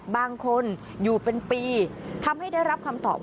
บางคนอยู่เป็นปีทำให้ได้รับคำตอบ